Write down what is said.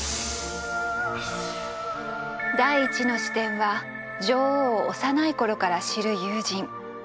第１の視点は女王を幼い頃から知る友人。